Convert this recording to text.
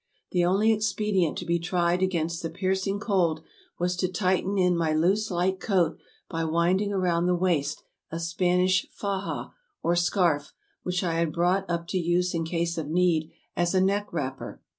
The only expedient to be tried against the piercing cold was to tighten in my loose light coat by winding around the waist a Spanish faja, or scarf, which I had brought up to use in case of need as a neck wrapper.